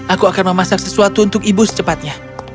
aku akan memasak sesuatu untuk ibu secepatnya